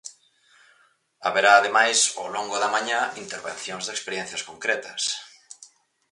Haberá ademais, ao longo da mañá, intervencións de experiencias concretas.